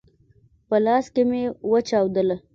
په لاس کي مي وچاودله !